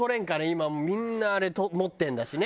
今みんなあれ持ってるんだしね。